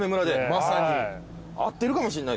まさに。